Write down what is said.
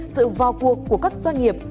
sự vào cuộc của các doanh nghiệp